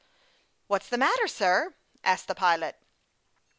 "What's the matter, sir?" asked the pilot.